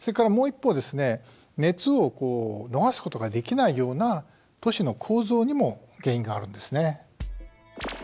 熱を逃すことができないような都市の構造にも原因があるんですね。